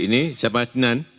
ini siapa dinan